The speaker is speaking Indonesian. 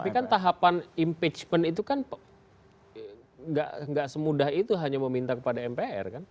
tapi kan tahapan impeachment itu kan gak semudah itu hanya meminta kepada mpr kan